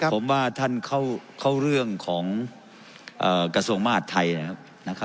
ผมว่าท่านเข้าเรื่องของกระทรวงมหาดไทยนะครับ